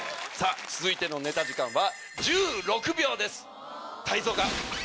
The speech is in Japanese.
続いてのネタ時間は。